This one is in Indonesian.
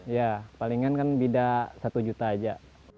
ya palingan kan bida satu juta aja